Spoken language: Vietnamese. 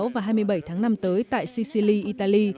hai mươi sáu và hai mươi bảy tháng năm tới tại sicily italy